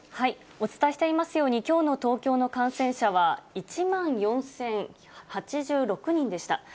お伝えしていますように、きょうの東京の感染者は、１万４０８６人でした。